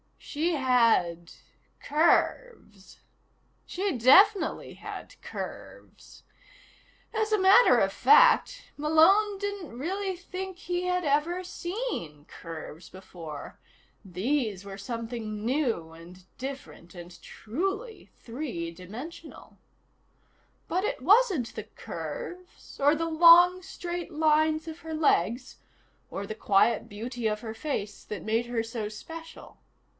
She had curves. She definitely had curves. As a matter of fact, Malone didn't really think he had ever seen curves before. These were something new and different and truly three dimensional. But it wasn't the curves, or the long straight lines of her legs, or the quiet beauty of her face, that made her so special.